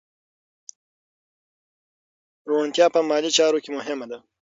روڼتیا په مالي چارو کې مهمه ده.